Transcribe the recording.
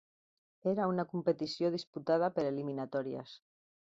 Era una competició disputada per eliminatòries.